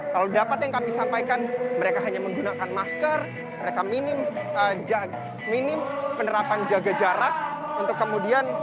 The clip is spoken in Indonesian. kalau dapat yang kami sampaikan mereka hanya menggunakan masker mereka minim penerapan jaga jarak untuk kemudian